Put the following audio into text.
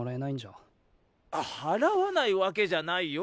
払わないわけじゃないよ。